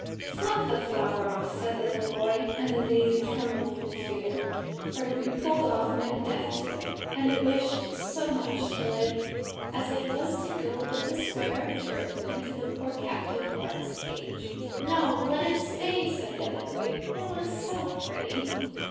"Pluck the flower off," said the other boy, and the daisy trembled for fear, for to be pulled off meant death to it; and it wished so much to live, as it was to go with the square of turf into the poor captive lark's cage. "No let it stay," said the other boy, "it looks so pretty."